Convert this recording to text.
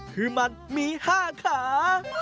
คือมันมี๕ขา